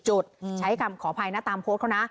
ใช้คำขออภัยนะตามโพสต์เขานะ